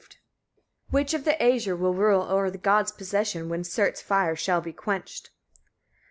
Which of the Æsir will rule o'er the gods' possession, when Surt's fire shall be quenched?